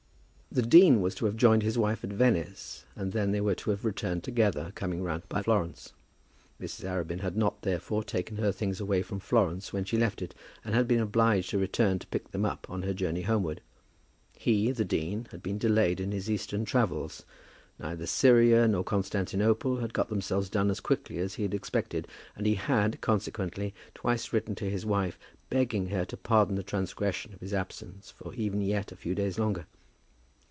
The dean was to have joined his wife at Venice, and then they were to have returned together, coming round by Florence. Mrs. Arabin had not, therefore, taken her things away from Florence when she left it, and had been obliged to return to pick them up on her journey homewards. He, the dean, had been delayed in his Eastern travels. Neither Syria nor Constantinople had got themselves done as quickly as he had expected, and he had, consequently, twice written to his wife, begging her to pardon the transgression of his absence for even yet a few days longer.